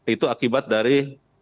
itu akibat dari